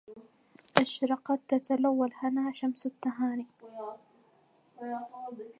أشرقت تتلو الهنا شمس التهاني